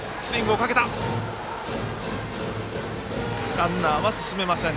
ランナーは進めません。